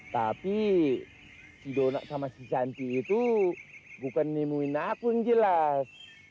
tapi si dona sama si santi itu bukan nemuin aku yang jelas